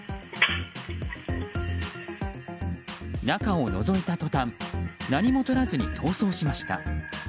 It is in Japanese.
中をのぞいたとたん何もとらずに逃走しました。